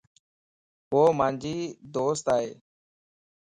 وو مانجي دوست ائي